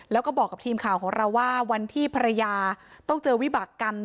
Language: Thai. แล้วก็บอกกับทีมข่าวของเราว่าวันที่ภรรยาต้องเจอวิบากรรม